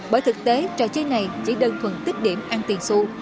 bởi thực tế trò chơi này chỉ đơn thuần tích điểm ăn tiền su